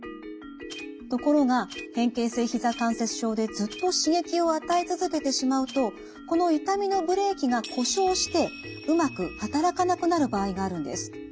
ところが変形性ひざ関節症でずっと刺激を与え続けてしまうとこの痛みのブレーキが故障してうまく働かなくなる場合があるんです。